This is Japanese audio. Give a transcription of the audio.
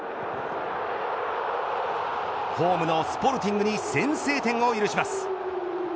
ホームのスポルティングに先制点を許します。